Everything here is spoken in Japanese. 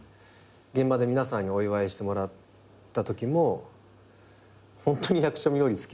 現場で皆さんにお祝いしてもらったときもホントに役者冥利尽きましたし。